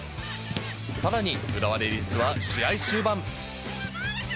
さらに、浦和レディースは試合終盤。